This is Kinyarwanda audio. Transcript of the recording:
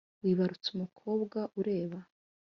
wibarutse umukobwa ureba